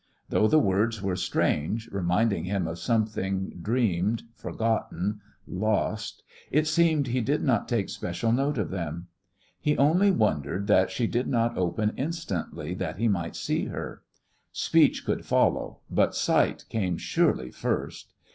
Though the words were strange, reminding him of something dreamed, forgotten, lost, it seemed, he did not take special note of them. He only wondered that she did not open instantly that he might see her. Speech could follow, but sight came surely first!